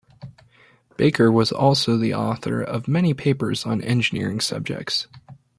Baker was also the author of many papers on engineering subjects.